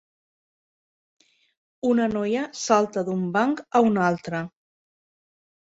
Una noia salta d'un banc a un altre.